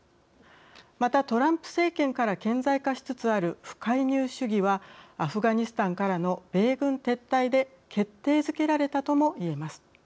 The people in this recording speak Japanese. また、トランプ政権から顕在化しつつある不介入主義はアフガニスタンからの米軍撤退で決定づけられたともいえます。